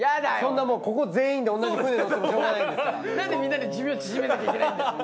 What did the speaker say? なんでみんなで寿命縮めなきゃいけないんだよ。